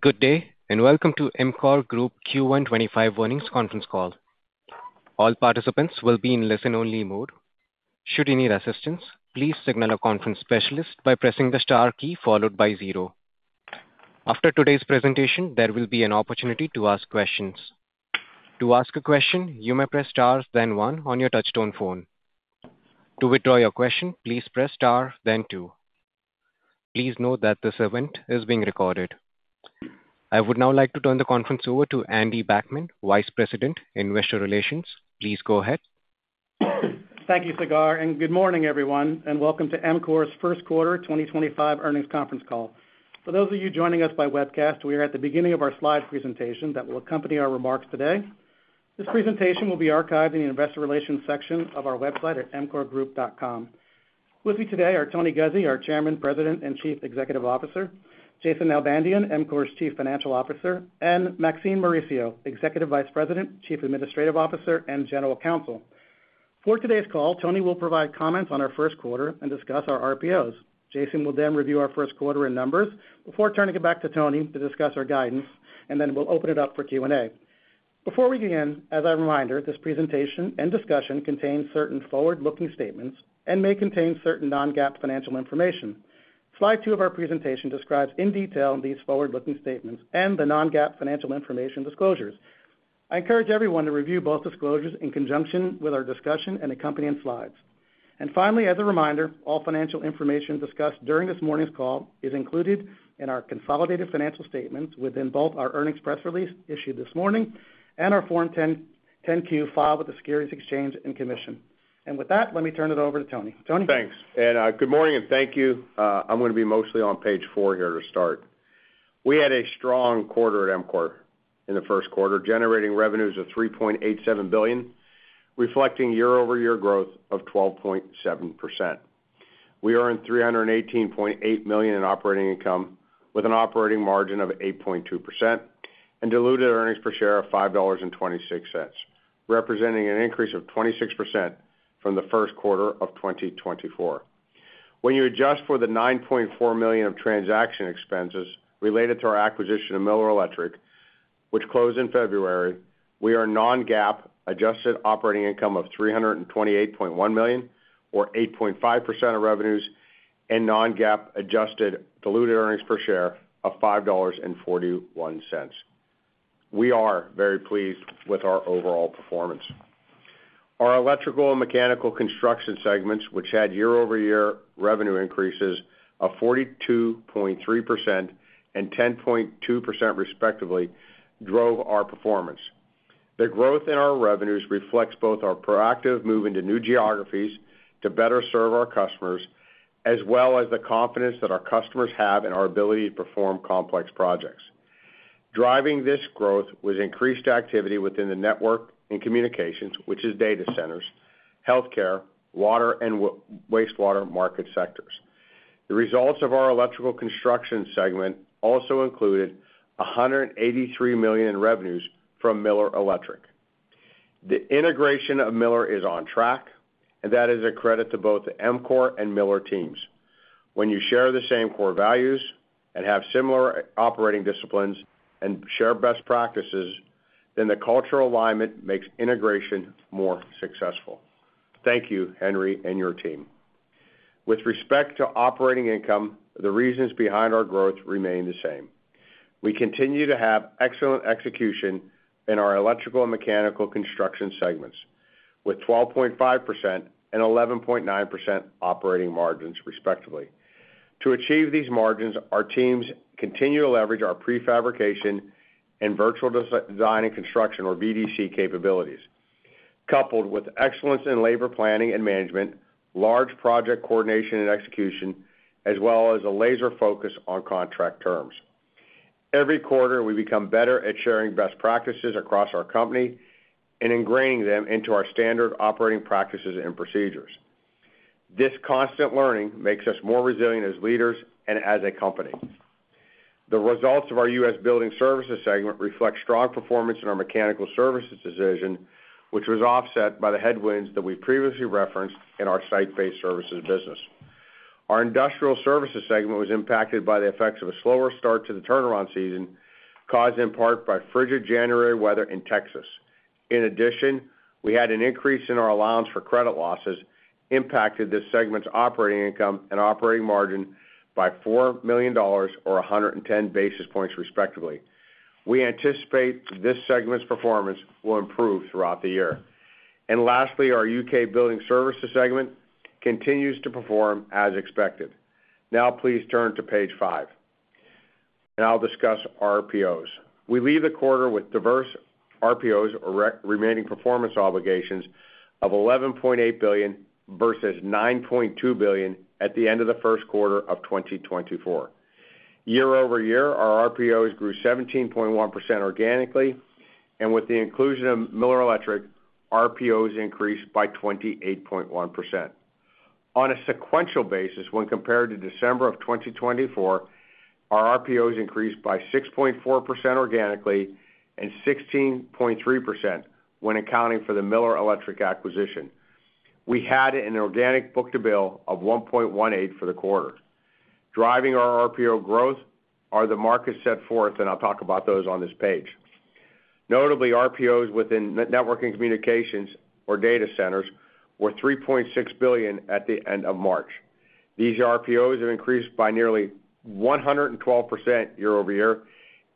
Good day, and welcome to EMCOR Group Q1 2025 Earnings Conference Call. All participants will be in listen-only mode. Should you need assistance, please signal a conference specialist by pressing the star key followed by zero. After today's presentation, there will be an opportunity to ask questions. To ask a question, you may press star then one on your touch-tone phone. To withdraw your question, please press star then two. Please note that this event is being recorded. I would now like to turn the conference over to Andy Backman, Vice President, Investor Relations. Please go ahead. Thank you, Sagar, and good morning, everyone, and welcome to EMCOR's First Quarter 2025 Earnings Conference Call. For those of you joining us by webcast, we are at the beginning of our slide presentation that will accompany our remarks today. This presentation will be archived in the Investor Relations section of our website at emcorgroup.com. With me today are Tony Guzzi, our Chairman, President, and Chief Executive Officer; Jason Nalbandian, EMCOR's Chief Financial Officer; and Maxine Mauricio, Executive Vice President, Chief Administrative Officer, and General Counsel. For today's call, Tony will provide comments on our first quarter and discuss our RPOs. Jason will then review our first quarter in numbers before turning it back to Tony to discuss our guidance, and then we'll open it up for Q&A. Before we begin, as a reminder, this presentation and discussion contain certain forward-looking statements and may contain certain non-GAAP financial information. Slide two of our presentation describes in detail these forward-looking statements and the non-GAAP financial information disclosures. I encourage everyone to review both disclosures in conjunction with our discussion and accompanying slides. Finally, as a reminder, all financial information discussed during this morning's call is included in our consolidated financial statements within both our earnings press release issued this morning and our Form 10-Q filed with the Securities and Exchange Commission. With that, let me turn it over to Tony. Tony. Thanks. Good morning, and thank you. I'm going to be mostly on page four here to start. We had a strong quarter at EMCOR in the first quarter, generating revenues of $3.87 billion, reflecting year-over-year growth of 12.7%. We earned $318.8 million in operating income with an operating margin of 8.2% and diluted earnings per share of $5.26, representing an increase of 26% from the first quarter of 2024. When you adjust for the $9.4 million of transaction expenses related to our acquisition of Miller Electric, which closed in February, we are non-GAAP adjusted operating income of $328.1 million, or 8.5% of revenues, and non-GAAP adjusted diluted earnings per share of $5.41. We are very pleased with our overall performance. Our electrical and mechanical construction segments, which had year-over-year revenue increases of 42.3% and 10.2% respectively, drove our performance. The growth in our revenues reflects both our proactive move into new geographies to better serve our customers, as well as the confidence that our customers have in our ability to perform complex projects. Driving this growth was increased activity within the network and communications, which is data centers, healthcare, water, and wastewater market sectors. The results of our electrical construction segment also included $183 million in revenues from Miller Electric. The integration of Miller is on track, and that is a credit to both the EMCOR and Miller teams. When you share the same core values and have similar operating disciplines and share best practices, then the cultural alignment makes integration more successful. Thank you, Henry, and your team. With respect to operating income, the reasons behind our growth remain the same. We continue to have excellent execution in our Electrical and Mechanical Construction segments, with 12.5% and 11.9% operating margins, respectively. To achieve these margins, our teams continue to leverage our prefabrication and virtual design and construction, or VDC, capabilities, coupled with excellence in labor planning and management, large project coordination and execution, as well as a laser focus on contract terms. Every quarter, we become better at sharing best practices across our company and ingraining them into our standard operating practices and procedures. This constant learning makes us more resilient as leaders and as a company. The results of our U.S. Building Services segment reflect strong performance in our mechanical services division, which was offset by the headwinds that we previously referenced in our site-based services business. Our Industrial Services segment was impacted by the effects of a slower start to the turnaround season, caused in part by frigid January weather in Texas. In addition, we had an increase in our allowance for credit losses that impacted this segment's operating income and operating margin by $4 million, or 110 basis points, respectively. We anticipate this segment's performance will improve throughout the year. Lastly, our U.K. Building Services segment continues to perform as expected. Now, please turn to page five, and I'll discuss RPOs. We leave the quarter with diverse RPOs, remaining performance obligations of $11.8 billion versus $9.2 billion at the end of the first quarter of 2024. Year-over-year, our RPOs grew 17.1% organically, and with the inclusion of Miller Electric, RPOs increased by 28.1%. On a sequential basis, when compared to December of 2024, our RPOs increased by 6.4% organically and 16.3% when accounting for the Miller Electric acquisition. We had an organic book to bill of 1.18 for the quarter. Driving our RPO growth are the markets set forth, and I'll talk about those on this page. Notably, RPOs within networking communications or data centers were $3.6 billion at the end of March. These RPOs have increased by nearly 112% year-over-year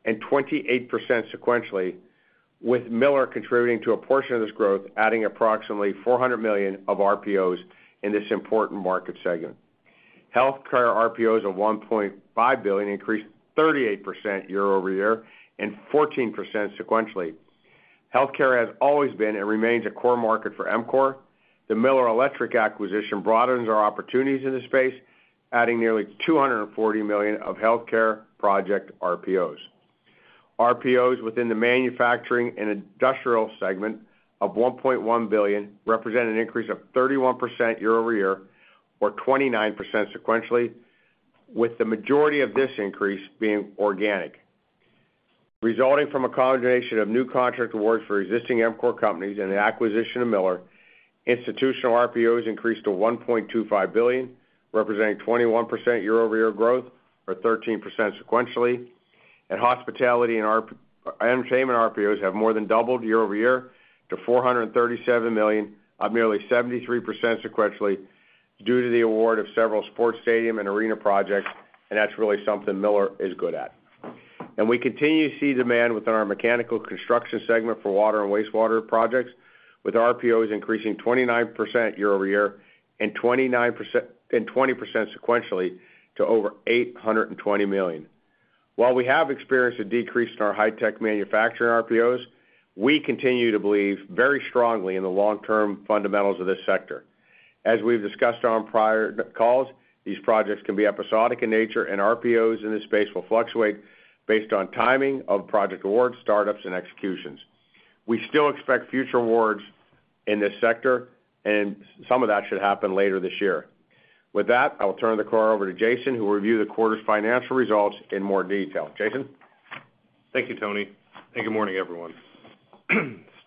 and 28% sequentially, with Miller contributing to a portion of this growth, adding approximately $400 million of RPOs in this important market segment. Healthcare RPOs of $1.5 billion increased 38% year-over-year and 14% sequentially. Healthcare has always been and remains a core market for EMCOR. The Miller Electric acquisition broadens our opportunities in this space, adding nearly $240 million of healthcare project RPOs. RPOs within the Manufacturing and Industrial segment of $1.1 billion represent an increase of 31% year-over-year, or 29% sequentially, with the majority of this increase being organic. Resulting from a combination of new contract awards for existing EMCOR companies and the acquisition of Miller, institutional RPOs increased to $1.25 billion, representing 21% year-over-year growth, or 13% sequentially. Hospitality and Entertainment RPOs have more than doubled year-over-year to $437 million, up nearly 73% sequentially due to the award of several sports stadium and arena projects, and that's really something Miller is good at. We continue to see demand within our Mechanical Construction segment for water and wastewater projects, with RPOs increasing 29% year-over-year and 20% sequentially to over $820 million. While we have experienced a decrease in our high-tech manufacturing RPOs, we continue to believe very strongly in the long-term fundamentals of this sector. As we've discussed on prior calls, these projects can be episodic in nature, and RPOs in this space will fluctuate based on timing of project awards, startups, and executions. We still expect future awards in this sector, and some of that should happen later this year. With that, I will turn the call over to Jason, who will review the quarter's financial results in more detail. Jason. Thank you, Tony. Good morning, everyone.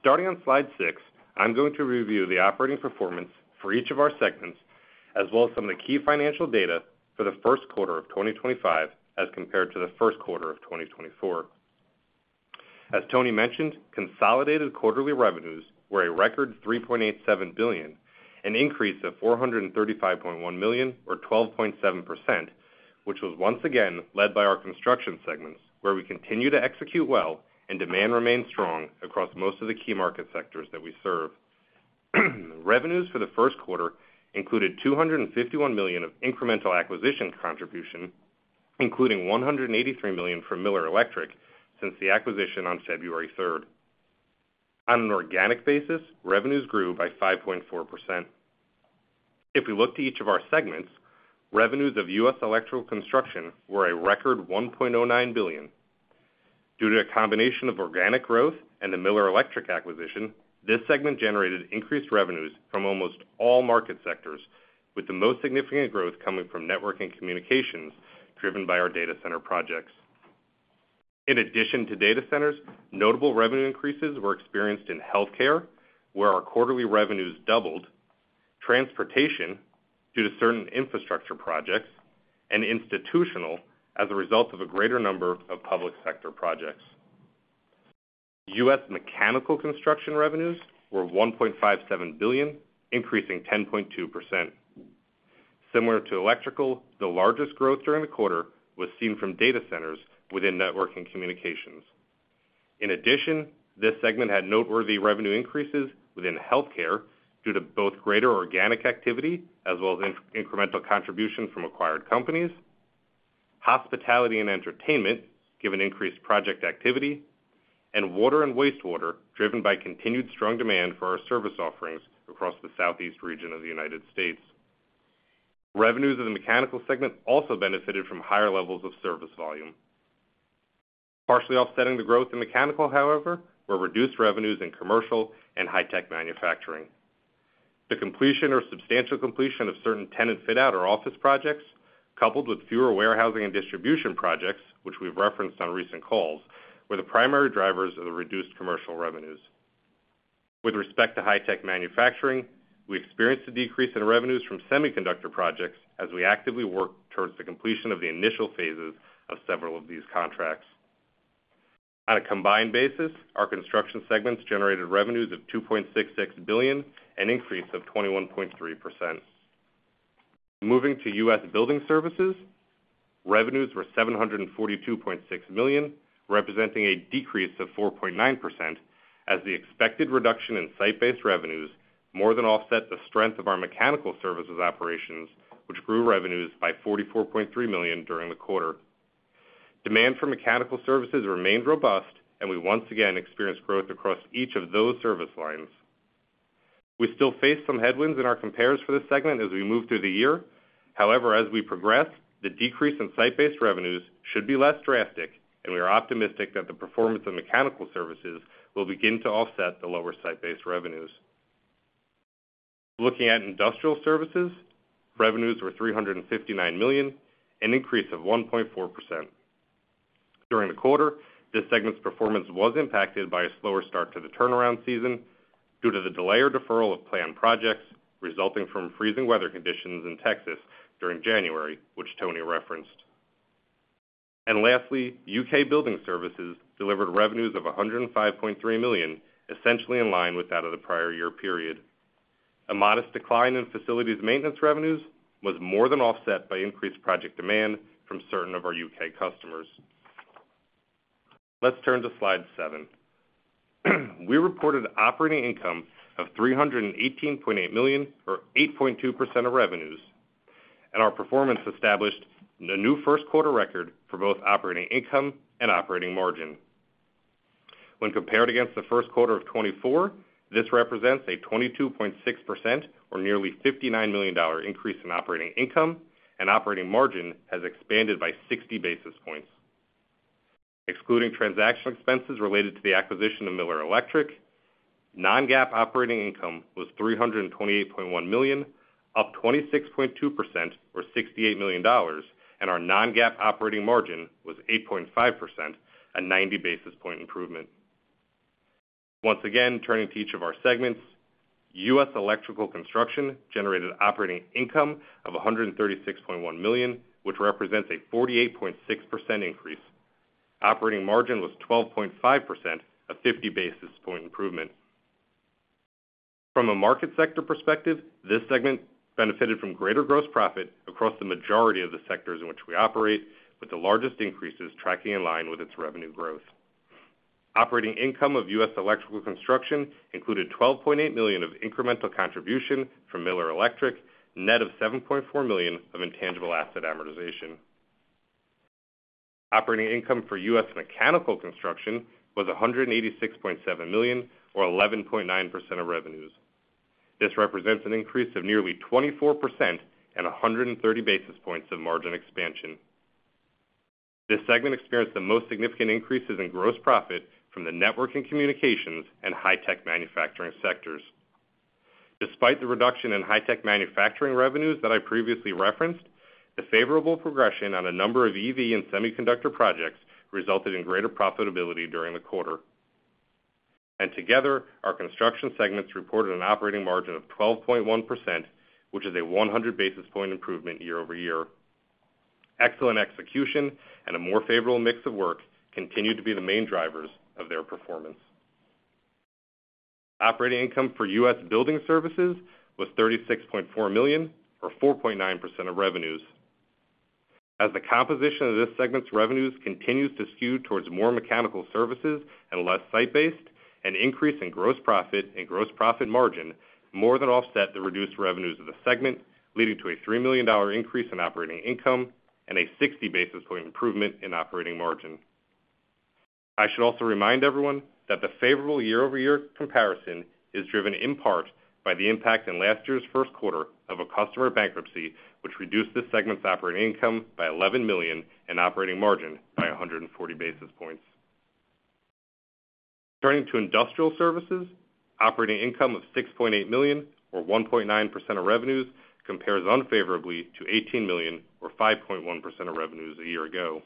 Starting on slide six, I'm going to review the operating performance for each of our segments, as well as some of the key financial data for the first quarter of 2025 as compared to the first quarter of 2024. As Tony mentioned, consolidated quarterly revenues were a record $3.87 billion, an increase of $435.1 million, or 12.7%, which was once again led by our Construction segments, where we continue to execute well and demand remains strong across most of the key market sectors that we serve. Revenues for the first quarter included $251 million of incremental acquisition contribution, including $183 million from Miller Electric since the acquisition on February 3rd. On an organic basis, revenues grew by 5.4%. If we look to each of our segments, revenues of U.S. Electrical Construction were a record $1.09 billion. Due to a combination of organic growth and the Miller Electric acquisition, this segment generated increased revenues from almost all market sectors, with the most significant growth coming from networking communications driven by our data center projects. In addition to data centers, notable revenue increases were experienced in Healthcare, where our quarterly revenues doubled, Transportation, due to certain infrastructure projects, and Institutional, as a result of a greater number of public sector projects. U.S. Mechanical Construction revenues were $1.57 billion, increasing 10.2%. Similar to electrical, the largest growth during the quarter was seen from data centers within networking communications. In addition, this segment had noteworthy revenue increases within Healthcare due to both greater organic activity as well as incremental contributions from acquired companies, Hospitality and Entertainment given increased project activity, and water and wastewater driven by continued strong demand for our service offerings across the southeast region of the United States. Revenues of the Mechanical segment also benefited from higher levels of service volume. Partially offsetting the growth in Mechanical, however, were reduced revenues in Commercial and High-tech Manufacturing. The completion or substantial completion of certain tenant fit-out or office projects, coupled with fewer warehousing and distribution projects, which we've referenced on recent calls, were the primary drivers of the reduced commercial revenues. With respect to High-tech Manufacturing, we experienced a decrease in revenues from semiconductor projects as we actively worked towards the completion of the initial phases of several of these contracts. On a combined basis, our Construction segments generated revenues of $2.66 billion, an increase of 21.3%. Moving to U.S. Building Services, revenues were $742.6 million, representing a decrease of 4.9%, as the expected reduction in site-based revenues more than offset the strength of our mechanical services operations, which grew revenues by $44.3 million during the quarter. Demand for mechanical services remained robust, and we once again experienced growth across each of those service lines. We still face some headwinds in our comparison for this segment as we move through the year. However, as we progress, the decrease in site-based revenues should be less drastic, and we are optimistic that the performance of mechanical services will begin to offset the lower site-based revenues. Looking at Industrial Services, revenues were $359 million, an increase of 1.4%. During the quarter, this segment's performance was impacted by a slower start to the turnaround season due to the delay or deferral of planned projects resulting from freezing weather conditions in Texas during January, which Tony referenced. Lastly, U.K. Building Services delivered revenues of $105.3 million, essentially in line with that of the prior year period. A modest decline in facilities maintenance revenues was more than offset by increased project demand from certain of our U.K. customers. Let's turn to slide seven. We reported operating income of $318.8 million, or 8.2% of revenues, and our performance established a new first-quarter record for both operating income and operating margin. When compared against the first quarter of 2024, this represents a 22.6%, or nearly $59 million, increase in operating income, and operating margin has expanded by 60 basis points. Excluding transactional expenses related to the acquisition of Miller Electric, non-GAAP operating income was $328.1 million, up 26.2%, or $68 million, and our non-GAAP operating margin was 8.5%, a 90 basis point improvement. Once again, turning to each of our segments, U.S. Electrical Construction generated operating income of $136.1 million, which represents a 48.6% increase. Operating margin was 12.5%, a 50 basis point improvement. From a market sector perspective, this segment benefited from greater gross profit across the majority of the sectors in which we operate, with the largest increases tracking in line with its revenue growth. Operating income of U.S. Electrical Construction included $12.8 million of incremental contribution from Miller Electric, net of $7.4 million of intangible asset amortization. Operating income for U.S. Mechanical Construction was $186.7 million, or 11.9% of revenues. This represents an increase of nearly 24% and 130 basis points of margin expansion. This segment experienced the most significant increases in gross profit from the networking communications and high-tech manufacturing sectors. Despite the reduction in high-tech manufacturing revenues that I previously referenced, the favorable progression on a number of EV and semiconductor projects resulted in greater profitability during the quarter. Together, our Construction segments reported an operating margin of 12.1%, which is a 100 basis point improvement year-over-year. Excellent execution and a more favorable mix of work continued to be the main drivers of their performance. Operating income for U.S. Building Services was $36.4 million, or 4.9% of revenues. As the composition of this segment's revenues continues to skew towards more mechanical services and less site-based, an increase in gross profit and gross profit margin more than offset the reduced revenues of the segment, leading to a $3 million increase in operating income and a 60 basis point improvement in operating margin. I should also remind everyone that the favorable year-over-year comparison is driven in part by the impact in last year's first quarter of a customer bankruptcy, which reduced this segment's operating income by $11 million and operating margin by 140 basis points. Turning to Industrial Services, operating income of $6.8 million, or 1.9% of revenues, compares unfavorably to $18 million, or 5.1% of revenues a year ago.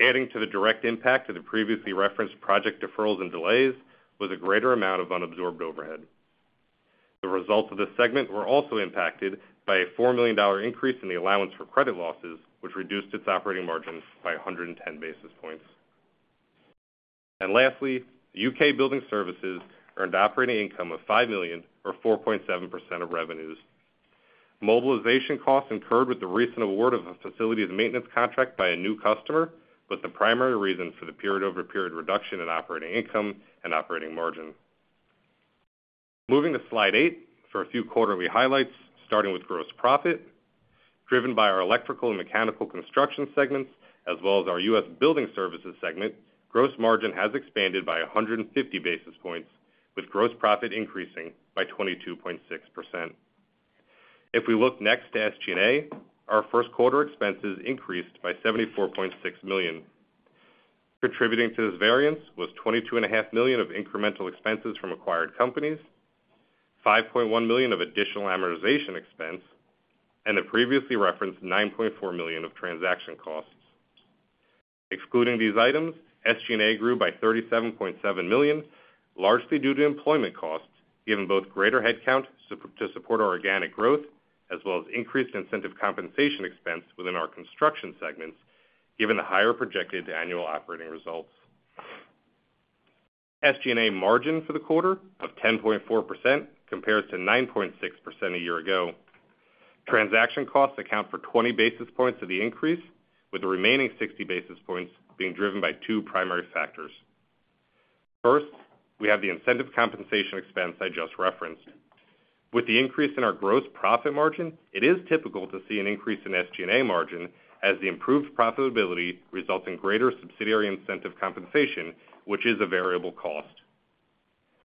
Adding to the direct impact of the previously referenced project deferrals and delays was a greater amount of unabsorbed overhead. The results of this segment were also impacted by a $4 million increase in the allowance for credit losses, which reduced its operating margin by 110 basis points. Lastly, U.K. Building Services earned operating income of $5 million, or 4.7% of revenues. Mobilization costs incurred with the recent award of a facilities maintenance contract by a new customer was the primary reason for the period-over-period reduction in operating income and operating margin. Moving to slide eight for a few quarterly highlights, starting with gross profit. Driven by our Electrical and Mechanical Construction segments, as well as our U.S. Building Services segment, gross margin has expanded by 150 basis points, with gross profit increasing by 22.6%. If we look next to SG&A, our first-quarter expenses increased by $74.6 million. Contributing to this variance was $22.5 million of incremental expenses from acquired companies, $5.1 million of additional amortization expense, and the previously referenced $9.4 million of transaction costs. Excluding these items, SG&A grew by $37.7 million, largely due to employment costs, given both greater headcount to support our organic growth, as well as increased incentive compensation expense within our construction segments, given the higher projected annual operating results. SG&A margin for the quarter of 10.4% compares to 9.6% a year ago. Transaction costs account for 20 basis points of the increase, with the remaining 60 basis points being driven by two primary factors. First, we have the incentive compensation expense I just referenced. With the increase in our gross profit margin, it is typical to see an increase in SG&A margin, as the improved profitability results in greater subsidiary incentive compensation, which is a variable cost.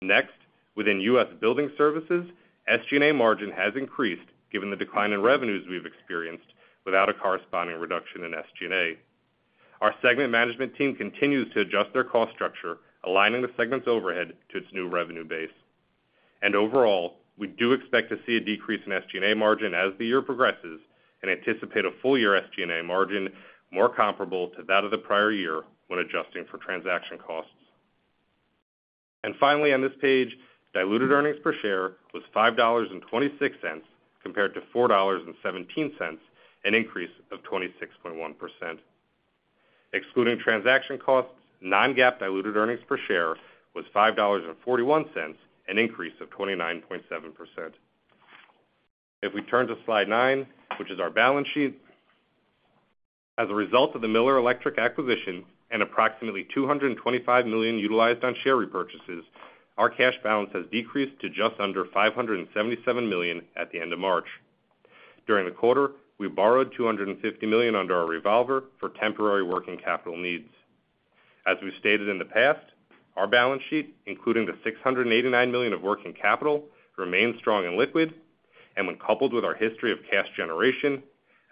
Next, within U.S. Building Services, SG&A margin has increased given the decline in revenues we've experienced without a corresponding reduction in SG&A. Our segment management team continues to adjust their cost structure, aligning the segment's overhead to its new revenue base. Overall, we do expect to see a decrease in SG&A margin as the year progresses and anticipate a full-year SG&A margin more comparable to that of the prior year when adjusting for transaction costs. Finally, on this page, diluted earnings per share was $5.26 compared to $4.17, an increase of 26.1%. Excluding transaction costs, non-GAAP diluted earnings per share was $5.41, an increase of 29.7%. If we turn to slide nine, which is our balance sheet, as a result of the Miller Electric acquisition and approximately $225 million utilized on share repurchases, our cash balance has decreased to just under $577 million at the end of March. During the quarter, we borrowed $250 million under our revolver for temporary working capital needs. As we've stated in the past, our balance sheet, including the $689 million of working capital, remains strong and liquid, and when coupled with our history of cash generation,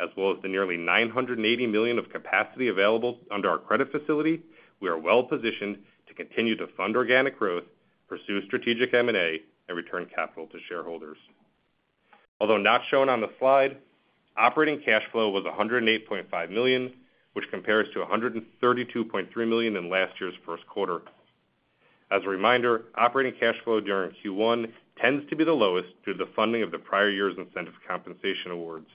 as well as the nearly $980 million of capacity available under our credit facility, we are well positioned to continue to fund organic growth, pursue strategic M&A, and return capital to shareholders. Although not shown on the slide, operating cash flow was $108.5 million, which compares to $132.3 million in last year's first quarter. As a reminder, operating cash flow during Q1 tends to be the lowest due to the funding of the prior year's incentive compensation awards.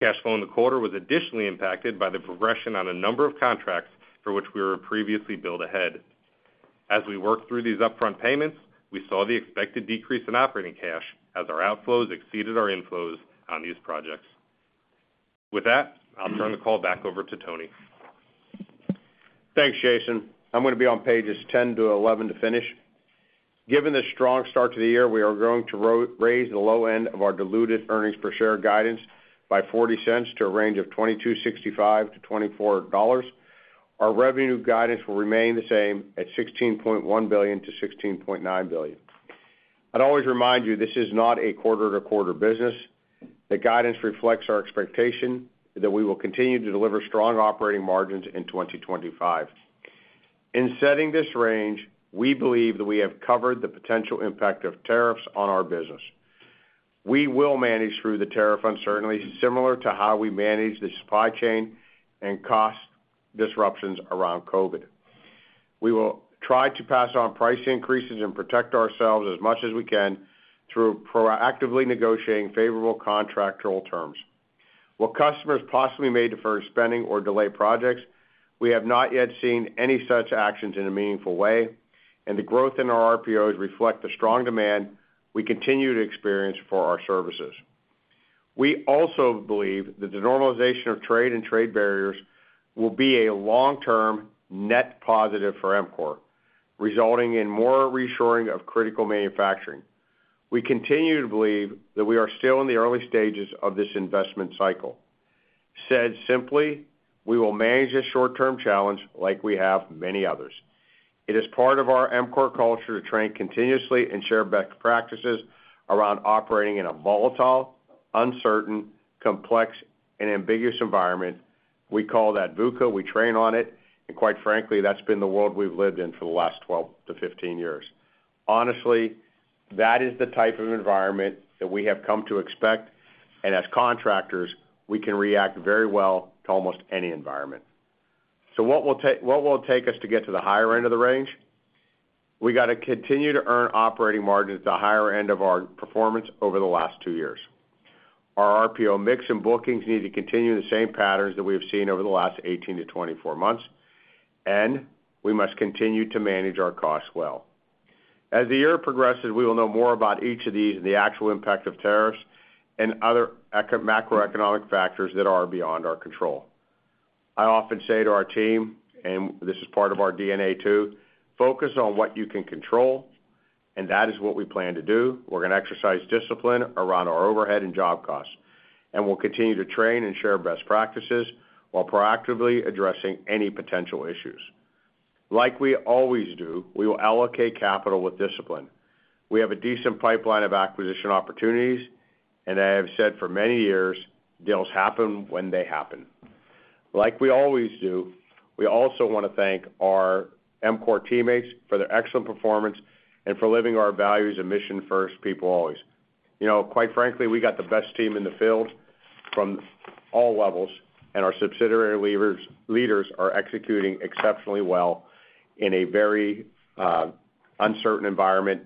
Cash flow in the quarter was additionally impacted by the progression on a number of contracts for which we were previously billed ahead. As we worked through these upfront payments, we saw the expected decrease in operating cash as our outflows exceeded our inflows on these projects. With that, I'll turn the call back over to Tony. Thanks, Jason. I'm going to be on pages 10 to 11 to finish. Given the strong start to the year, we are going to raise the low end of our diluted earnings per share guidance by $0.40 to a range of $22.65-$24. Our revenue guidance will remain the same at $16.1 billion-$16.9 billion. I'd always remind you this is not a quarter-to-quarter business. The guidance reflects our expectation that we will continue to deliver strong operating margins in 2025. In setting this range, we believe that we have covered the potential impact of tariffs on our business. We will manage through the tariff uncertainty, similar to how we manage the supply chain and cost disruptions around COVID. We will try to pass on price increases and protect ourselves as much as we can through proactively negotiating favorable contractual terms. While customers possibly may defer spending or delay projects, we have not yet seen any such actions in a meaningful way, and the growth in our RPOs reflects the strong demand we continue to experience for our services. We also believe that the normalization of trade and trade barriers will be a long-term net positive for EMCOR, resulting in more reassuring of critical manufacturing. We continue to believe that we are still in the early stages of this investment cycle. Said simply, we will manage this short-term challenge like we have many others. It is part of our EMCOR culture to train continuously and share best practices around operating in a volatile, uncertain, complex, and ambiguous environment. We call that VUCA. We train on it, and quite frankly, that's been the world we've lived in for the last 12 to 15 years. Honestly, that is the type of environment that we have come to expect, and as contractors, we can react very well to almost any environment. What will take us to get to the higher end of the range? We got to continue to earn operating margins at the higher end of our performance over the last two years. Our RPO mix and bookings need to continue the same patterns that we have seen over the last 18 to 24 months, and we must continue to manage our costs well. As the year progresses, we will know more about each of these and the actual impact of tariffs and other macroeconomic factors that are beyond our control. I often say to our team, and this is part of our DNA too, focus on what you can control, and that is what we plan to do. We're going to exercise discipline around our overhead and job costs, and we'll continue to train and share best practices while proactively addressing any potential issues. Like we always do, we will allocate capital with discipline. We have a decent pipeline of acquisition opportunities, and I have said for many years, deals happen when they happen. Like we always do, we also want to thank our EMCOR teammates for their excellent performance and for living our values and mission first, people always. Quite frankly, we got the best team in the field from all levels, and our subsidiary leaders are executing exceptionally well in a very uncertain environment,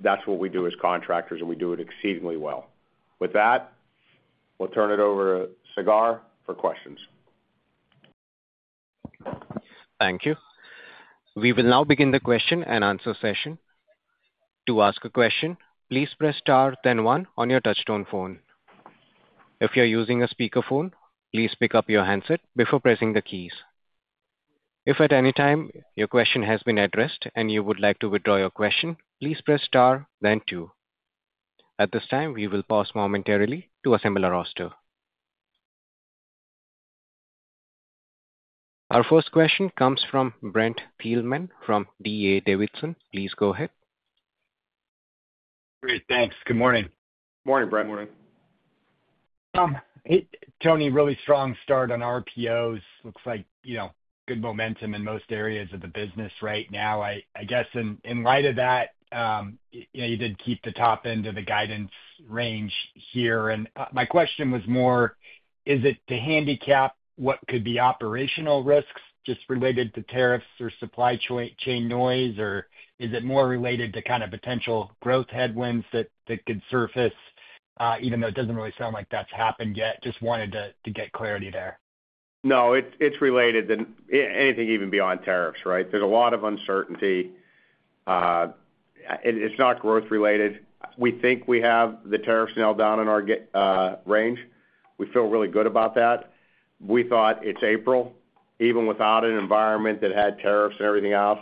that's what we do as contractors, and we do it exceedingly well. With that, we'll turn it over to Sagar for questions. Thank you. We will now begin the question and answer session. To ask a question, please press star, then one on your touch-tone phone. If you're using a speakerphone, please pick up your handset before pressing the keys. If at any time your question has been addressed and you would like to withdraw your question, please press star, then two. At this time, we will pause momentarily to assemble our roster. Our first question comes from Brent Thielman from D.A. Davidson. Please go ahead. Great. Thanks. Good morning. Good morning, Brent. Good morning. Tony, really strong start on RPOs. Looks like good momentum in most areas of the business right now. I guess in light of that, you did keep the top end of the guidance range here. My question was more, is it to handicap what could be operational risks just related to tariffs or supply chain noise, or is it more related to kind of potential growth headwinds that could surface, even though it does not really sound like that has happened yet? Just wanted to get clarity there. No, it's related to anything even beyond tariffs, right? There's a lot of uncertainty. It's not growth-related. We think we have the tariffs nailed down in our range. We feel really good about that. We thought it's April, even without an environment that had tariffs and everything else,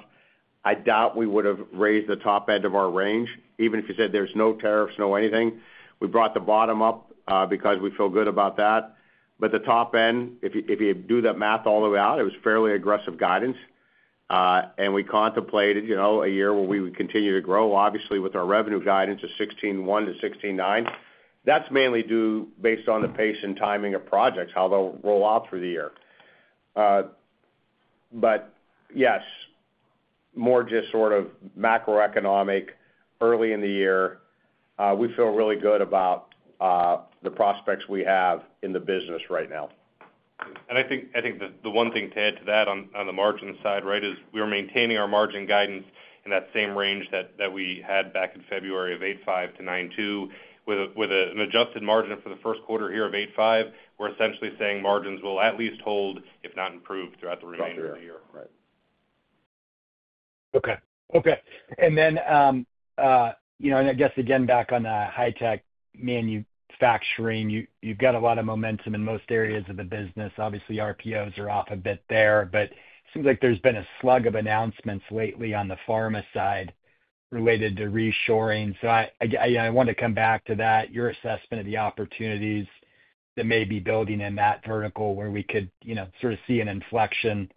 I doubt we would have raised the top end of our range, even if you said there's no tariffs, no anything. We brought the bottom up because we feel good about that. The top end, if you do that math all the way out, it was fairly aggressive guidance. We contemplated a year where we would continue to grow, obviously, with our revenue guidance of $16.1 billion-$16.9 billion. That's mainly due based on the pace and timing of projects, how they'll roll out through the year. Yes, more just sort of macroeconomic early in the year. We feel really good about the prospects we have in the business right now. I think the one thing to add to that on the margin side, right, is we are maintaining our margin guidance in that same range that we had back in February of $8.5-$9.2, with an adjusted margin for the first quarter here of $8.5. We're essentially saying margins will at least hold, if not improve, throughout the remainder of the year. Right. Okay. Okay. I guess, again, back on the high-tech manufacturing, you've got a lot of momentum in most areas of the business. Obviously, RPOs are off a bit there, but it seems like there's been a slug of announcements lately on the pharma side related to reshoring. I want to come back to that, your assessment of the opportunities that may be building in that vertical where we could sort of see an inflection,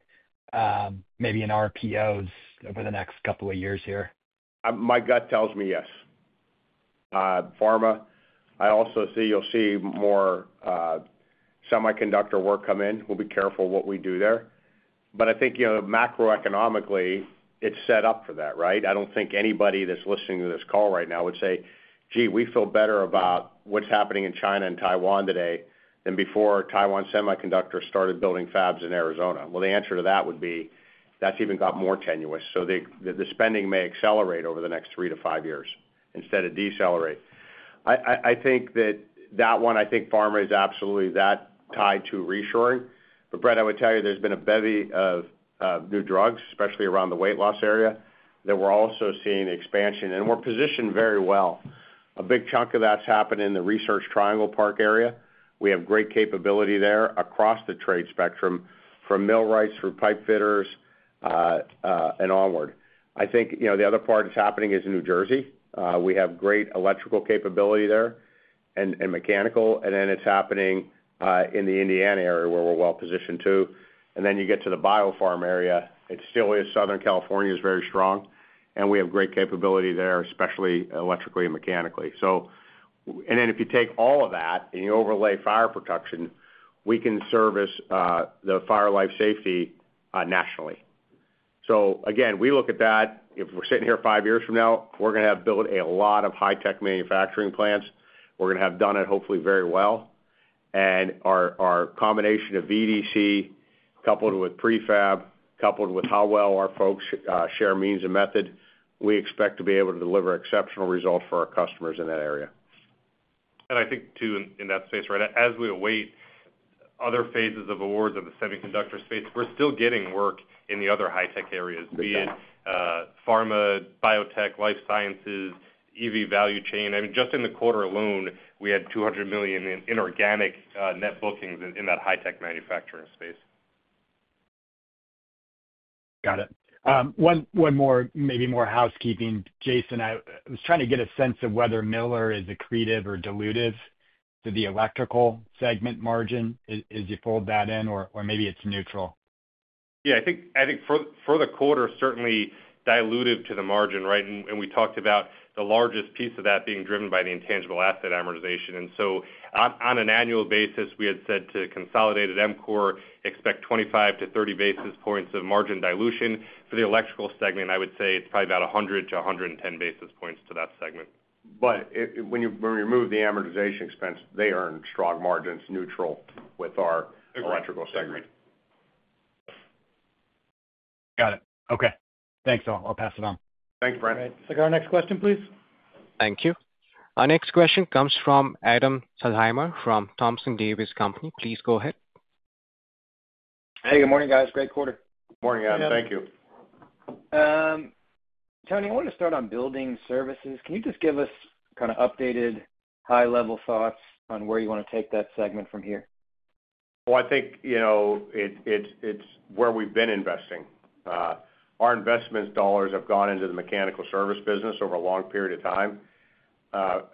maybe in RPOs over the next couple of years here. My gut tells me yes. Pharma, I also see you'll see more semiconductor work come in. We'll be careful what we do there. I think macroeconomically, it's set up for that, right? I don't think anybody that's listening to this call right now would say, "Gee, we feel better about what's happening in China and Taiwan today than before Taiwan Semiconductor started building fabs in Arizona." The answer to that would be that's even got more tenuous. The spending may accelerate over the next three to five years instead of decelerate. I think that that one, I think pharma is absolutely that tied to reshoring. Brent, I would tell you there's been a bevy of new drugs, especially around the weight loss area, that we're also seeing expansion. We're positioned very well. A big chunk of that's happened in the Research Triangle Park area. We have great capability there across the trade spectrum from millwrights through pipe fitters and onward. I think the other part that's happening is in New Jersey. We have great electrical capability there and mechanical. It is happening in the Indiana area where we're well positioned too. You get to the biopharma area, it still is Southern California is very strong. We have great capability there, especially electrically and mechanically. If you take all of that and you overlay fire protection, we can service the fire life safety nationally. Again, we look at that. If we're sitting here five years from now, we're going to have built a lot of high-tech manufacturing plants. We're going to have done it hopefully very well. Our combination of VDC coupled with prefab, coupled with how well our folks share means and method, we expect to be able to deliver exceptional results for our customers in that area. I think too in that space, right, as we await other phases of awards of the semiconductor space, we're still getting work in the other high-tech areas, be it pharma, biotech, life sciences, EV value chain. I mean, just in the quarter alone, we had $200 million in organic net bookings in that high-tech manufacturing space. Got it. One more, maybe more housekeeping. Jason, I was trying to get a sense of whether Miller is accretive or dilutive to the Electrical segment margin. Is you fold that in, or maybe it's neutral? Yeah. I think for the quarter, certainly dilutive to the margin, right? We talked about the largest piece of that being driven by the intangible asset amortization. On an annual basis, we had said to consolidated EMCOR, expect 25-30 basis points of margin dilution. For the Electrical segment, I would say it's probably about 100-110 basis points to that segment. When you remove the amortization expense, they earn strong margins, neutral with our Electrical segment. Agreed. Got it. Okay. Thanks, all. I'll pass it on. Thanks, Brent. All right. Sagar our next question, please. Thank you. Our next question comes from Adam Thalhimer from Thompson Davis & Company. Please go ahead. Hey, good morning, guys. Great quarter. Morning, Adam. Thank you. Tony, I want to start on building services. Can you just give us kind of updated high-level thoughts on where you want to take that segment from here? I think it's where we've been investing. Our investment dollars have gone into the mechanical service business over a long period of time.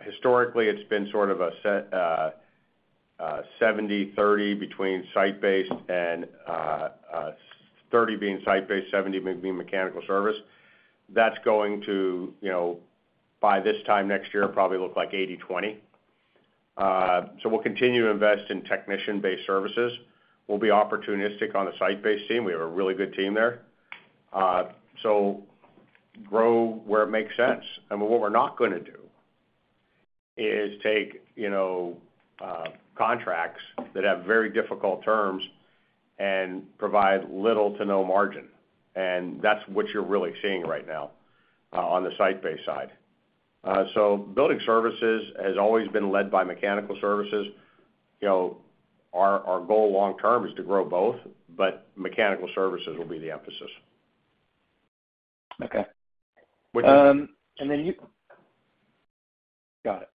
Historically, it's been sort of a 70-30 between site-based and 30 being site-based, 70 being mechanical service. That's going to, by this time next year, probably look like 80-20. We will continue to invest in technician-based services. We'll be opportunistic on the site-based team. We have a really good team there. Grow where it makes sense. What we're not going to do is take contracts that have very difficult terms and provide little to no margin. That's what you're really seeing right now on the site-based side. Building services has always been led by mechanical services. Our goal long-term is to grow both, but mechanical services will be the emphasis. Okay. You got it.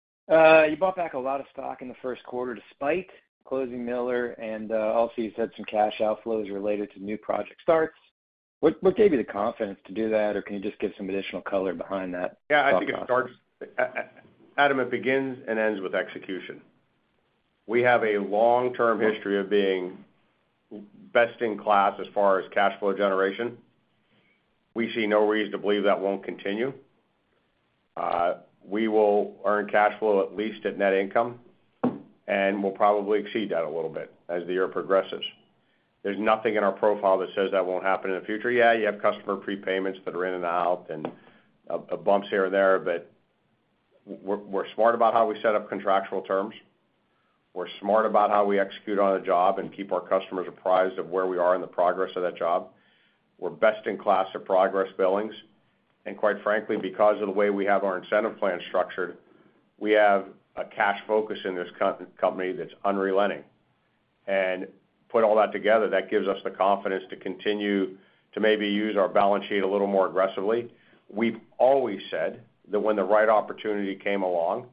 You bought back a lot of stock in the first quarter despite closing Miller, and also you said some cash outflows related to new project starts. What gave you the confidence to do that, or can you just give some additional color behind that? Yeah. I think it starts, Adam, it begins and ends with execution. We have a long-term history of being best in class as far as cash flow generation. We see no reason to believe that will not continue. We will earn cash flow at least at net income, and we will probably exceed that a little bit as the year progresses. There is nothing in our profile that says that will not happen in the future. Yeah, you have customer prepayments that are in and out and bumps here and there, but we are smart about how we set up contractual terms. We are smart about how we execute on a job and keep our customers apprised of where we are in the progress of that job. We are best in class at progress billings. Quite frankly, because of the way we have our incentive plan structured, we have a cash focus in this company that's unrelenting. Put all that together, that gives us the confidence to continue to maybe use our balance sheet a little more aggressively. We've always said that when the right opportunity came along,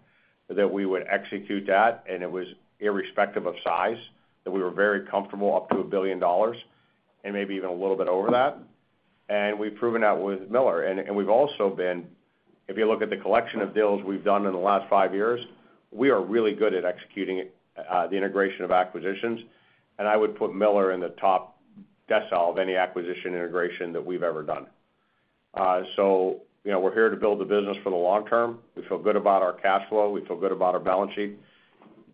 we would execute that, and it was irrespective of size, that we were very comfortable up to $1 billion and maybe even a little bit over that. We've proven that with Miller. If you look at the collection of deals we've done in the last five years, we are really good at executing the integration of acquisitions. I would put Miller in the top decile of any acquisition integration that we've ever done. We are here to build the business for the long term. We feel good about our cash flow. We feel good about our balance sheet.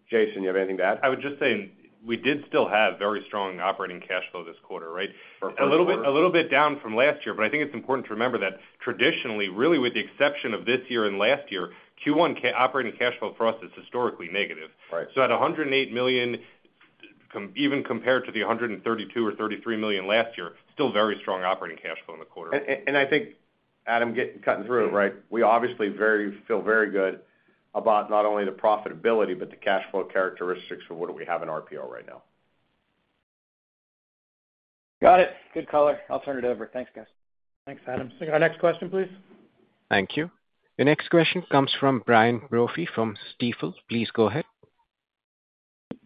Jason, you have anything to add? I would just say we did still have very strong operating cash flow this quarter, right? A little bit down from last year, but I think it's important to remember that traditionally, really with the exception of this year and last year, Q1 operating cash flow for us is historically negative. At $108 million, even compared to the $132 or $133 million last year, still very strong operating cash flow in the quarter. I think, Adam, cutting through it, right? We obviously feel very good about not only the profitability, but the cash flow characteristics for what we have in RPO right now. Got it. Good color. I'll turn it over. Thanks, guys. Thanks, Adam. Our next question, please. Thank you. The next question comes from Brian Brophy from Stifel. Please go ahead.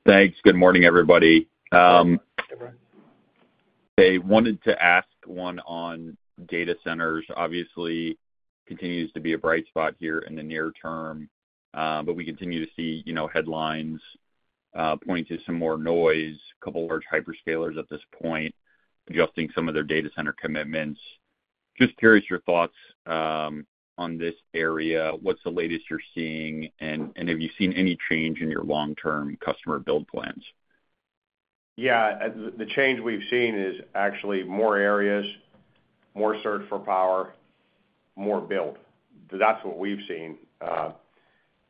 Thanks. Good morning, everybody. They wanted to ask one on data centers. Obviously, continues to be a bright spot here in the near term, but we continue to see headlines pointing to some more noise, a couple of large hyperscalers at this point adjusting some of their data center commitments. Just curious your thoughts on this area. What's the latest you're seeing, and have you seen any change in your long-term customer build plans? Yeah. The change we've seen is actually more areas, more search for power, more build. That's what we've seen.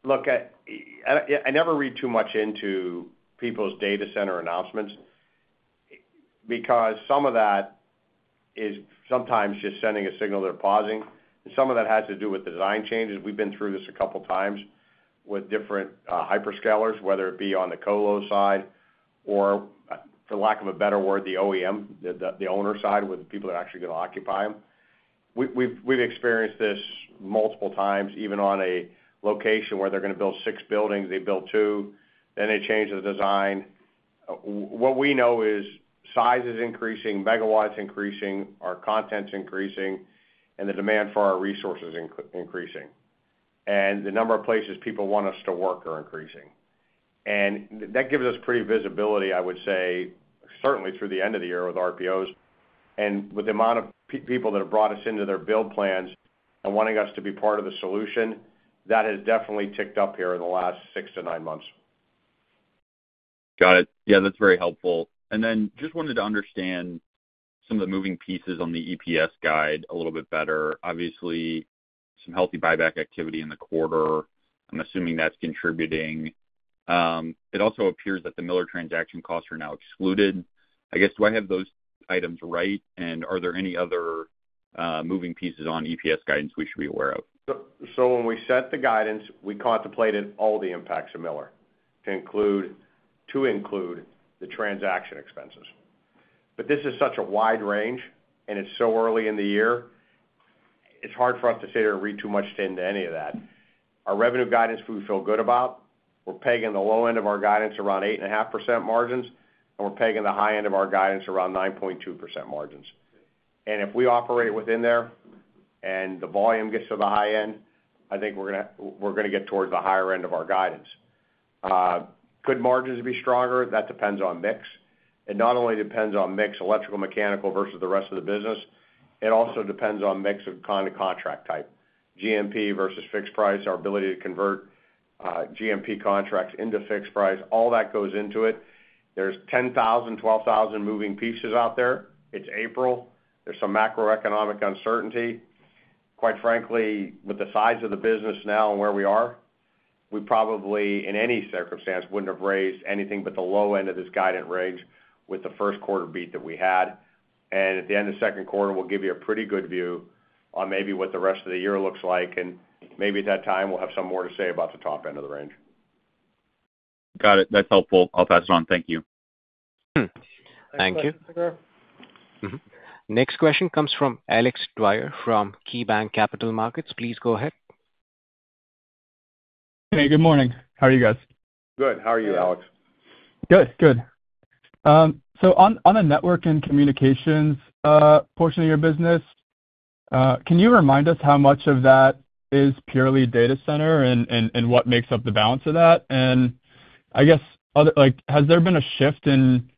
Look, I never read too much into people's data center announcements because some of that is sometimes just sending a signal they're pausing. Some of that has to do with design changes. We've been through this a couple of times with different hyperscalers, whether it be on the colo side or, for lack of a better word, the OEM, the owner side with the people that are actually going to occupy them. We've experienced this multiple times, even on a location where they're going to build six buildings, they build two, then they change the design. What we know is size is increasing, megawatts increasing, our content's increasing, and the demand for our resources is increasing. The number of places people want us to work are increasing. That gives us pretty visibility, I would say, certainly through the end of the year with RPOs. With the amount of people that have brought us into their build plans and wanting us to be part of the solution, that has definitely ticked up here in the last six to nine months. Got it. Yeah, that's very helpful. I just wanted to understand some of the moving pieces on the EPS guide a little bit better. Obviously, some healthy buyback activity in the quarter. I'm assuming that's contributing. It also appears that the Miller transaction costs are now excluded. I guess, do I have those items right? Are there any other moving pieces on EPS guidance we should be aware of? When we set the guidance, we contemplated all the impacts of Miller to include the transaction expenses. This is such a wide range, and it's so early in the year, it's hard for us to sit here and read too much into any of that. Our revenue guidance, we feel good about. We're paying the low end of our guidance around 8.5% margins, and we're paying the high end of our guidance around 9.2% margins. If we operate within there and the volume gets to the high end, I think we're going to get towards the higher end of our guidance. Could margins be stronger? That depends on mix. It not only depends on mix electrical mechanical versus the rest of the business. It also depends on mix of kind of contract type. GMP versus fixed price, our ability to convert GMP contracts into fixed price, all that goes into it. There are 10,000-12,000 moving pieces out there. It is April. There is some macroeconomic uncertainty. Quite frankly, with the size of the business now and where we are, we probably, in any circumstance, would not have raised anything but the low end of this guidance range with the first quarter beat that we had. At the end of the second quarter, we will give you a pretty good view on maybe what the rest of the year looks like. Maybe at that time, we will have some more to say about the top end of the range. Got it. That's helpful. I'll pass it on. Thank you. Thank you. Next question comes from Alex Dwyer from KeyBanc Capital Markets. Please go ahead. Hey, good morning. How are you guys? Good. How are you, Alex? Good. Good. On the network and communications portion of your business, can you remind us how much of that is purely data center and what makes up the balance of that? I guess, has there been a shift in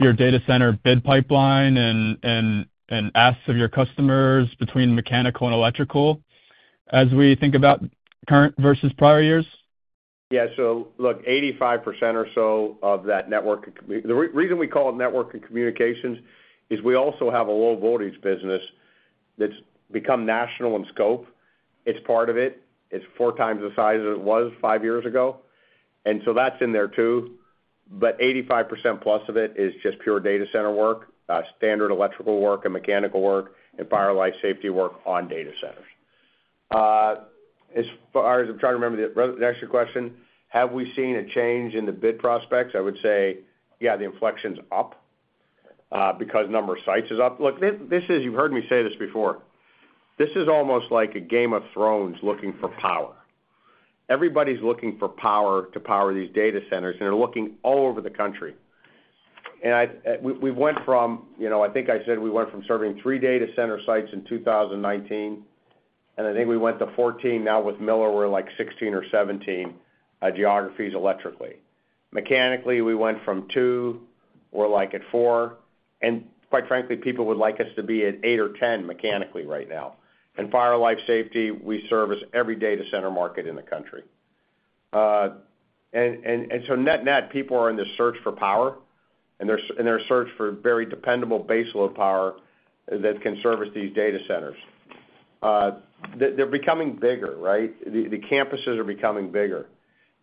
your data center bid pipeline and asks of your customers between mechanical and electrical as we think about current versus prior years? Yeah. Look, 85% or so of that networking, the reason we call it network and communications is we also have a low voltage business that's become national in scope. It's part of it. It's four times the size it was five years ago. That's in there too. But 85% plus of it is just pure data center work, standard electrical work and mechanical work, and fire life safety work on data centers. As far as I'm trying to remember the next question, have we seen a change in the bid prospects? I would say, yeah, the inflection's up because number of sites is up. You've heard me say this before. This is almost like a Game of Thrones looking for power. Everybody's looking for power to power these data centers, and they're looking all over the country. We went from, I think I said we went from serving three data center sites in 2019, and I think we went to 14. Now with Miller, we're like 16 or 17 geographies electrically. Mechanically, we went from two, we're like at four. Quite frankly, people would like us to be at 8 or 10 mechanically right now. Fire life safety, we service every data center market in the country. Net-net, people are in the search for power, and they're in their search for very dependable baseload power that can service these data centers. They're becoming bigger, right? The campuses are becoming bigger.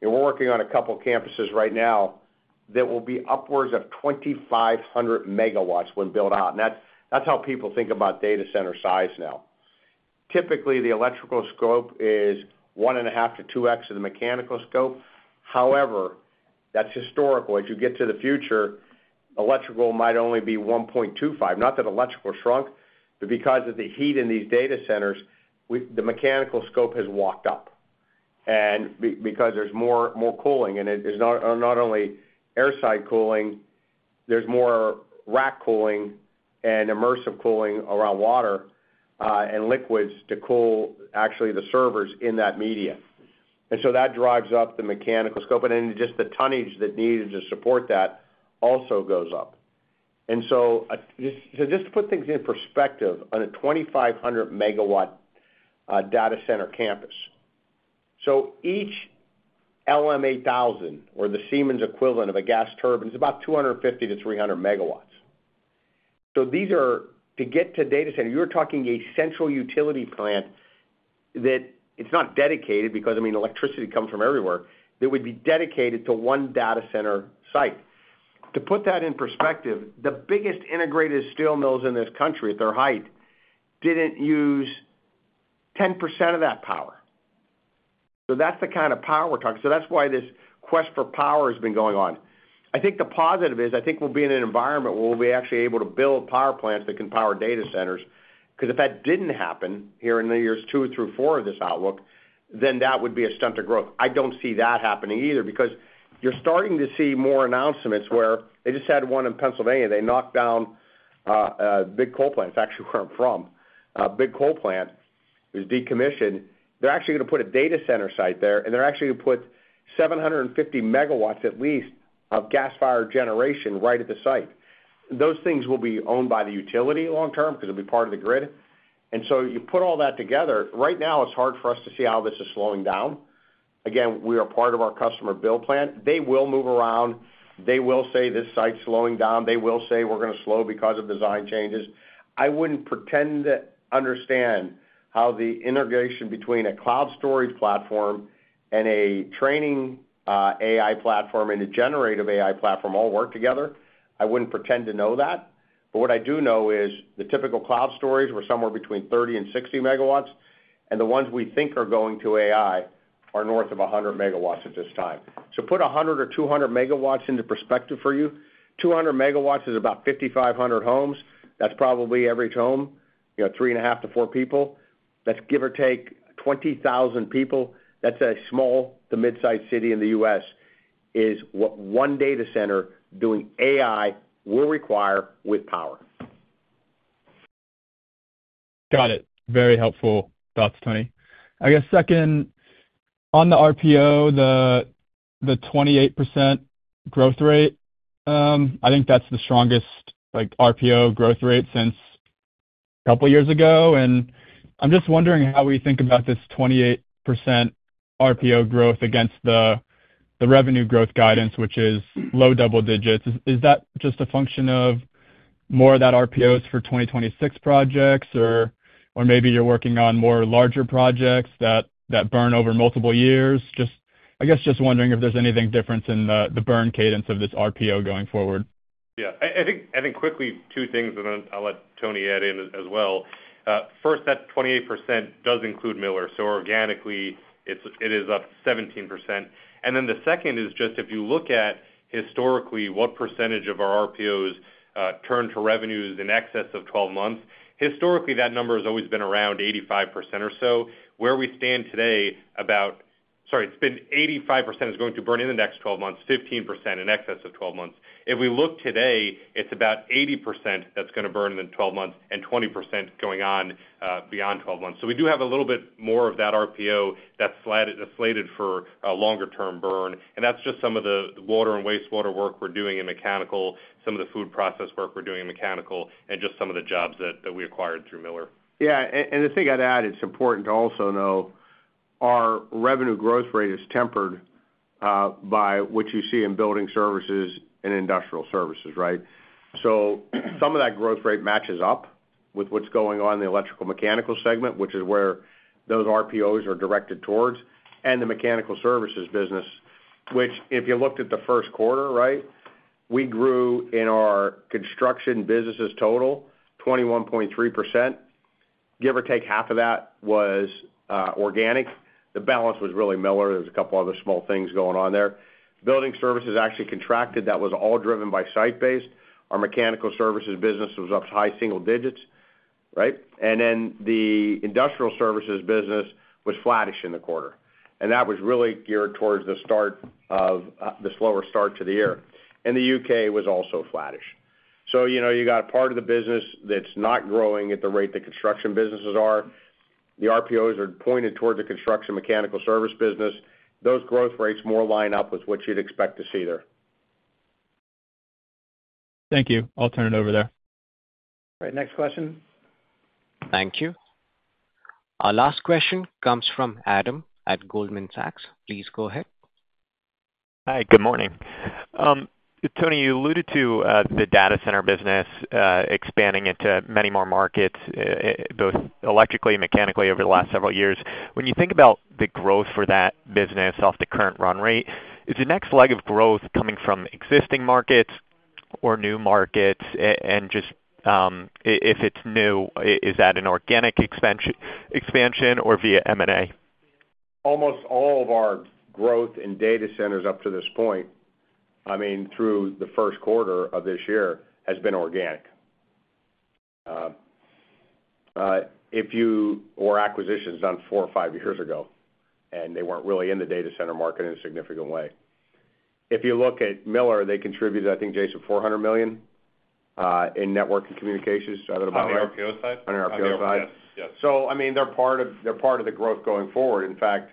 We're working on a couple of campuses right now that will be upwards of 2,500 megawatts when built out. That's how people think about data center size now. Typically, the electrical scope is one and a half to two X of the mechanical scope. However, that's historical. As you get to the future, electrical might only be 1.25. Not that electrical shrunk, but because of the heat in these data centers, the mechanical scope has walked up. Because there's more cooling, and it is not only airside cooling, there's more rack cooling and immersive cooling around water and liquids to cool actually the servers in that media. That drives up the mechanical scope. Just the tonnage that needed to support that also goes up. Just to put things in perspective, on a 2,500 MW data center campus, each LM8000 or the Siemens equivalent of a gas turbine is about 250 MW-300 MW. These are to get to data center, you're talking a central utility plant that it's not dedicated because, I mean, electricity comes from everywhere that would be dedicated to one data center site. To put that in perspective, the biggest integrated steel mills in this country at their height didn't use 10% of that power. That's the kind of power we're talking. That's why this quest for power has been going on. I think the positive is I think we'll be in an environment where we'll be actually able to build power plants that can power data centers. Because if that didn't happen here in the years two through four of this outlook, then that would be a stunt to growth. I don't see that happening either because you're starting to see more announcements where they just had one in Pennsylvania. They knocked down a big coal plant. It's actually where I'm from. A big coal plant was decommissioned. They're actually going to put a data center site there, and they're actually going to put 750 MW at least of gas fire generation right at the site. Those things will be owned by the utility long term because it'll be part of the grid. You put all that together. Right now, it's hard for us to see how this is slowing down. Again, we are part of our customer build plan. They will move around. They will say, "This site's slowing down." They will say, "We're going to slow because of design changes." I wouldn't pretend to understand how the integration between a cloud storage platform and a training AI platform and a generative AI platform all work together. I wouldn't pretend to know that. What I do know is the typical cloud storage were somewhere between 30 MW-60 MW. The ones we think are going to AI are north of 100 MW at this time. To put 100 or 200 MW into perspective for you, 200 MW is about 5,500 homes. That's probably every home, three and a half to four people. That's, give or take, 20,000 people. That's a small to mid-sized city in the U.S. is what one data center doing AI will require with power. Got it. Very helpful thoughts, Tony. I guess, second, on the RPO, the 28% growth rate, I think that's the strongest RPO growth rate since a couple of years ago. I'm just wondering how we think about this 28% RPO growth against the revenue growth guidance, which is low double digits. Is that just a function of more of that RPOs for 2026 projects, or maybe you're working on more larger projects that burn over multiple years? I guess just wondering if there's anything different in the burn cadence of this RPO going forward. Yeah. I think quickly, two things, and then I'll let Tony add in as well. First, that 28% does include Miller. Organically, it is up 17%. The second is just if you look at historically what percentage of our RPOs turn to revenues in excess of 12 months, historically, that number has always been around 85% or so. Where we stand today, about, sorry, it's been 85% is going to burn in the next 12 months, 15% in excess of 12 months. If we look today, it's about 80% that's going to burn in the 12 months and 20% going on beyond 12 months. We do have a little bit more of that RPO that's slated for a longer-term burn. That's just some of the water and wastewater work we're doing in mechanical, some of the food process work we're doing in mechanical, and just some of the jobs that we acquired through Miller. Yeah. The thing I'd add, it's important to also know our revenue growth rate is tempered by what you see in building services and industrial services, right? Some of that growth rate matches up with what's going on in the electrical mechanical segment, which is where those RPOs are directed towards, and the mechanical services business, which if you looked at the first quarter, right, we grew in our construction businesses total 21.3%. Give or take half of that was organic. The balance was really Miller. There's a couple of other small things going on there. Building services actually contracted. That was all driven by site-based. Our mechanical services business was up high single digits, right? The industrial services business was flattish in the quarter. That was really geared towards the start of the slower start to the year. The U.K. was also flattish. You got a part of the business that's not growing at the rate that construction businesses are. The RPOs are pointed towards the construction mechanical service business. Those growth rates more line up with what you'd expect to see there. Thank you. I'll turn it over there. All right. Next question. Thank you. Our last question comes from Adam at Goldman Sachs. Please go ahead. Hi. Good morning. Tony, you alluded to the data center business expanding into many more markets, both electrically and mechanically over the last several years. When you think about the growth for that business off the current run rate, is the next leg of growth coming from existing markets or new markets? If it's new, is that an organic expansion or via M&A? Almost all of our growth in data centers up to this point, I mean, through the first quarter of this year has been organic. Or acquisitions done four or five years ago, and they were not really in the data center market in a significant way. If you look at Miller, they contributed, I think, Jason, $400 million in network and communications. Is that about right? On the RPO side? On the RPO side. Yeah. Yes. I mean, they're part of the growth going forward. In fact,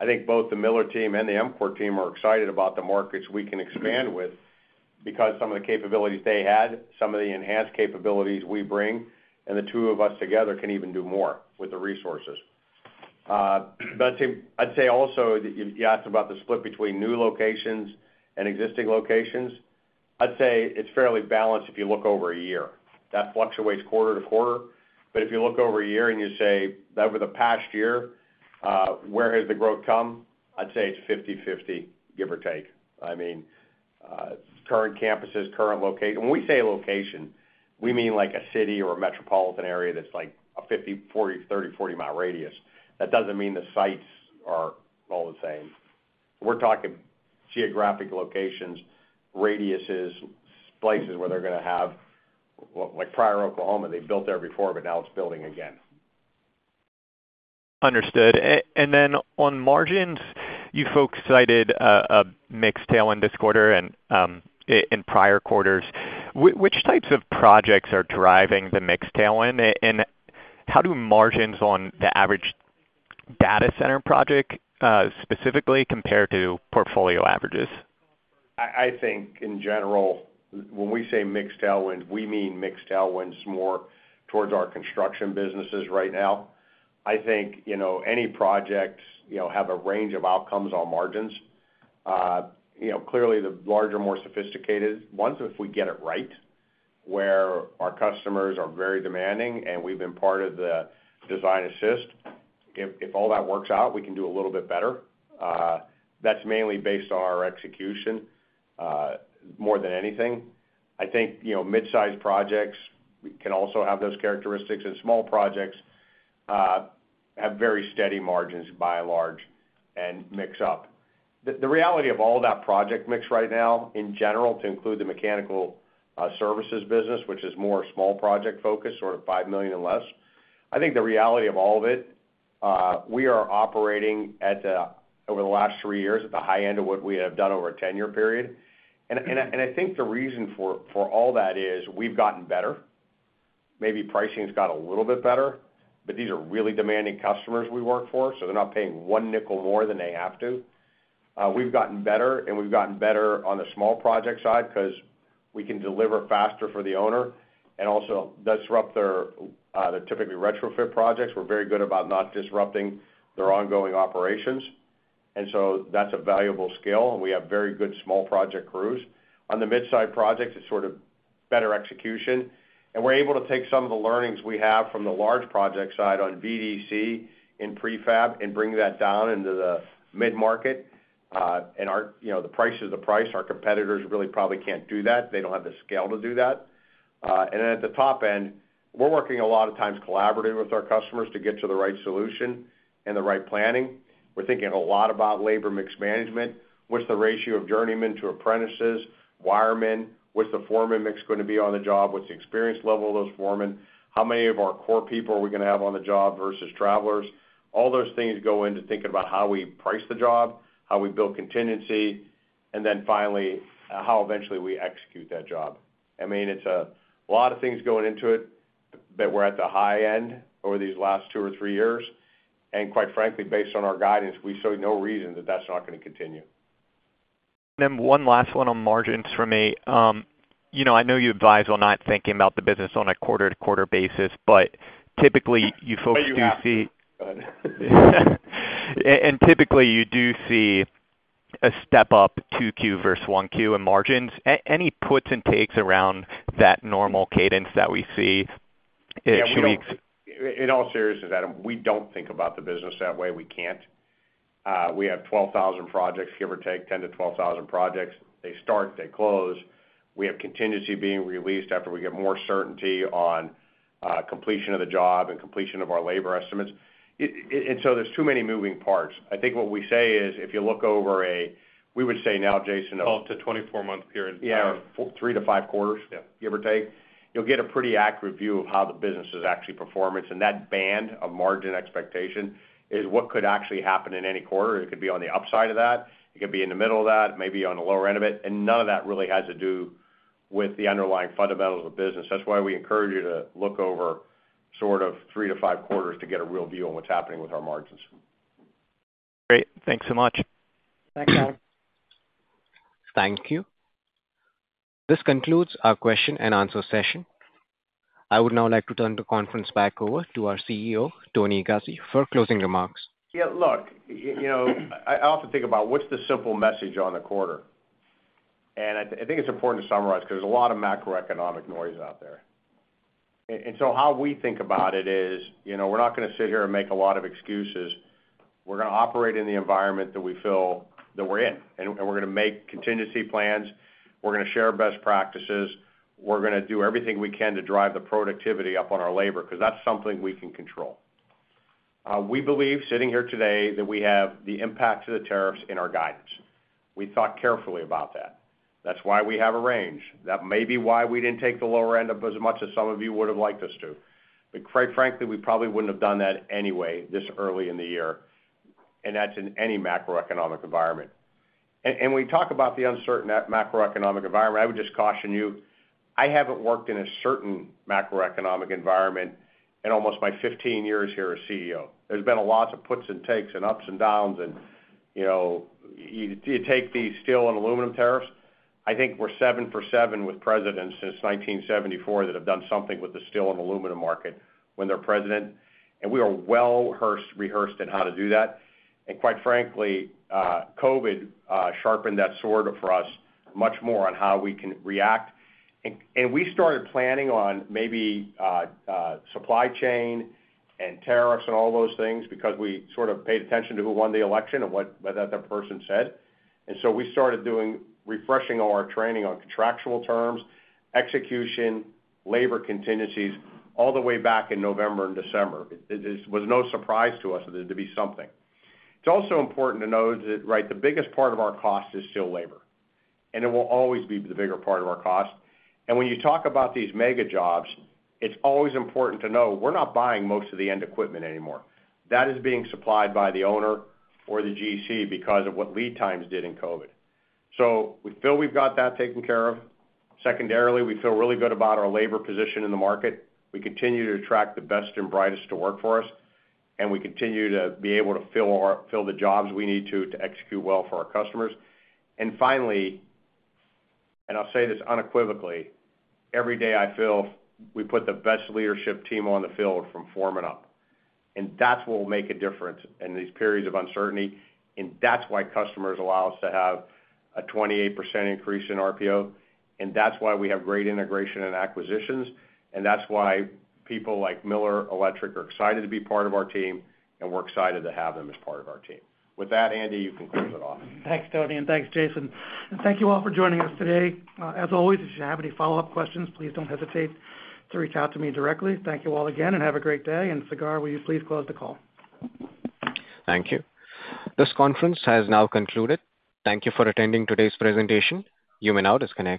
I think both the Miller team and the EMCOR team are excited about the markets we can expand with because some of the capabilities they had, some of the enhanced capabilities we bring, and the two of us together can even do more with the resources. I'd say also you asked about the split between new locations and existing locations. I'd say it's fairly balanced if you look over a year. That fluctuates quarter to quarter. If you look over a year and you say, "Over the past year, where has the growth come?" I'd say it's 50/50, give or take. I mean, current campuses, current location. When we say location, we mean like a city or a metropolitan area that's like a 50, 40, 30, 40 mi radius. That doesn't mean the sites are all the same. We're talking geographic locations, radiuses, places where they're going to have like prior Oklahoma, they built there before, but now it's building again. Understood. On margins, you folks cited a mixed tailwind this quarter and in prior quarters. Which types of projects are driving the mixed tailwind? How do margins on the average data center project specifically compare to portfolio averages? I think in general, when we say mixed tailwinds, we mean mixed tailwinds more towards our construction businesses right now. I think any projects have a range of outcomes on margins. Clearly, the larger, more sophisticated ones, if we get it right, where our customers are very demanding and we've been part of the design assist, if all that works out, we can do a little bit better. That's mainly based on our execution more than anything. I think mid-sized projects can also have those characteristics. Small projects have very steady margins by and large and mix up. The reality of all that project mix right now in general to include the mechanical services business, which is more small project focused, sort of $5 million and less, I think the reality of all of it, we are operating over the last three years at the high end of what we have done over a 10-year period. I think the reason for all that is we've gotten better. Maybe pricing has got a little bit better, but these are really demanding customers we work for, so they're not paying one nickel more than they have to. We've gotten better, and we've gotten better on the small project side because we can deliver faster for the owner and also disrupt their typically retrofit projects. We're very good about not disrupting their ongoing operations. That is a valuable skill. We have very good small project crews. On the mid-sized projects, it's sort of better execution. We're able to take some of the learnings we have from the large project side on VDC in prefab and bring that down into the mid-market. The price is the price. Our competitors really probably can't do that. They don't have the scale to do that. At the top end, we're working a lot of times collaboratively with our customers to get to the right solution and the right planning. We're thinking a lot about labor mix management. What's the ratio of journeyman to apprentices? Wiremen? What's the foreman mix going to be on the job? What's the experience level of those foremen? How many of our core people are we going to have on the job versus travelers? All those things go into thinking about how we price the job, how we build contingency, and then finally how eventually we execute that job. I mean, it's a lot of things going into it, but we're at the high end over these last two or three years. And quite frankly, based on our guidance, we see no reason that that's not going to continue. One last one on margins for me. I know you advise on not thinking about the business on a quarter-to-quarter basis, but typically you folks do see. I do. Go ahead. Typically you do see a step up 2Q versus 1Q in margins. Any puts and takes around that normal cadence that we see? In all seriousness, Adam, we don't think about the business that way. We can't. We have 12,000 projects, give or take 10,000 to 12,000 projects. They start, they close. We have contingency being released after we get more certainty on completion of the job and completion of our labor estimates. There are too many moving parts. I think what we say is if you look over a, we would say now, Jason. 12 to 24-month period. Yeah. Three to five quarters? Yeah. Give or take? You'll get a pretty accurate view of how the business is actually performing. That band of margin expectation is what could actually happen in any quarter. It could be on the upside of that. It could be in the middle of that, maybe on the lower end of it. None of that really has to do with the underlying fundamentals of the business. That's why we encourage you to look over sort of three to five quarters to get a real view on what's happening with our margins. Great. Thanks so much. Thanks, Adam. Thank you. This concludes our question and answer session. I would now like to turn the conference back over to our CEO, Tony Guzzi, for closing remarks. Yeah. Look, I often think about what's the simple message on the quarter. I think it's important to summarize because there's a lot of macroeconomic noise out there. How we think about it is we're not going to sit here and make a lot of excuses. We're going to operate in the environment that we feel that we're in. We're going to make contingency plans. We're going to share best practices. We're going to do everything we can to drive the productivity up on our labor because that's something we can control. We believe, sitting here today, that we have the impact of the tariffs in our guidance. We thought carefully about that. That's why we have a range. That may be why we didn't take the lower end up as much as some of you would have liked us to. Quite frankly, we probably would not have done that anyway this early in the year. That is in any macroeconomic environment. When we talk about the uncertain macroeconomic environment, I would just caution you. I have not worked in a certain macroeconomic environment in almost my 15 years here as CEO. There have been lots of puts and takes and ups and downs. You take the steel and aluminum tariffs. I think we are seven for seven with presidents since 1974 that have done something with the steel and aluminum market when they are president. We are well rehearsed in how to do that. Quite frankly, COVID sharpened that sword for us much more on how we can react. We started planning on maybe supply chain and tariffs and all those things because we sort of paid attention to who won the election and what that person said. We started refreshing our training on contractual terms, execution, labor contingencies, all the way back in November and December. It was no surprise to us that there'd be something. It is also important to note that the biggest part of our cost is still labor. It will always be the bigger part of our cost. When you talk about these mega jobs, it is always important to know we are not buying most of the end equipment anymore. That is being supplied by the owner or the GC because of what lead times did in COVID. We feel we have got that taken care of. Secondarily, we feel really good about our labor position in the market. We continue to attract the best and brightest to work for us. We continue to be able to fill the jobs we need to execute well for our customers. Finally, I'll say this unequivocally, every day I feel we put the best leadership team on the field from forming up. That is what will make a difference in these periods of uncertainty. That is why customers allow us to have a 28% increase in RPO. That is why we have great integration and acquisitions. That is why people like Miller Electric are excited to be part of our team. We are excited to have them as part of our team. With that, Andy, you can close it off. Thanks, Tony. Thanks, Jason. Thank you all for joining us today. As always, if you have any follow-up questions, please do not hesitate to reach out to me directly. Thank you all again and have a great day. Sagar, will you please close the call? Thank you. This conference has now concluded. Thank you for attending today's presentation. You may now disconnect.